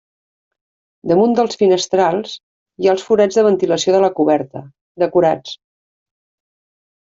Damunt dels finestrals hi ha els forats de ventilació de la coberta, decorats.